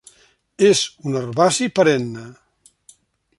És un herbaci perenne.